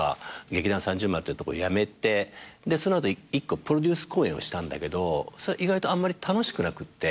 劇団３○○ってとこ辞めてその後一個プロデュース公演をしたんだけど意外とあんまり楽しくなくって。